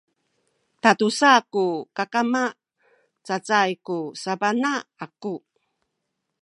tatusa ku kakama cacay ku sabana aku